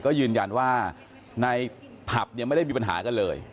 ก็ยืนยันว่าในผับเนี่ยไม่ได้มีปัญหากันเลย